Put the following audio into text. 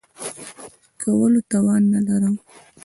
کولو توان نه لرم .